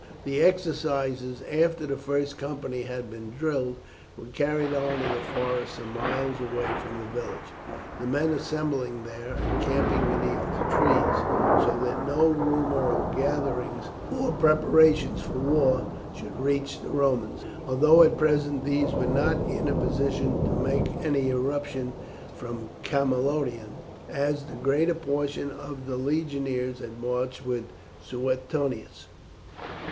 The exercises after the first company had been drilled were carried on in the forest some miles away from the village, the men assembling there and camping beneath the trees, so that no rumour of gatherings or preparations for war should reach the Romans, although at present these were not in a position to make any eruption from Camalodunum, as the greater portion of the legionaries had marched with Suetonius.